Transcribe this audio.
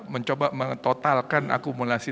mencoba mengtotalkan akumulasi